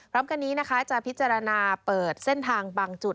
ล้ำกันนี้จะพิจารณาเปิดเส้นทางบางจุด